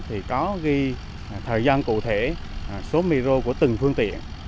thì có ghi thời gian cụ thể số miro của từng phương tiện